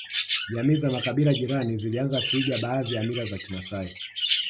Jamii za makabila jirani zilianza kuiga baadhi ya mila za kimasai